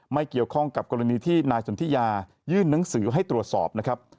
ไม่เกี่ยวข้องกับกรณีที่นายสนทิยายื่นหนังสือให้ตรวจสอบนะครับ